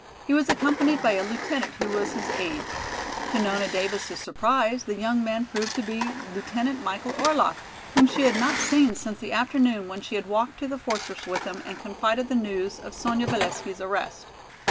He was accompanied by a lieutenant who was his aide. To Nona Davis' surprise, the young man proved to be Lieutenant Michael Orlaff, whom she had not seen since the afternoon when she had walked to the fortress with him and confided the news of Sonya Valesky's arrest.